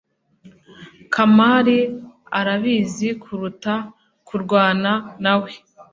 kamari arabizi kuruta kurwana nawe